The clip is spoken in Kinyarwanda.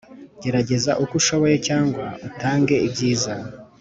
gerageza uko ushoboye cyangwa utange ibyiza.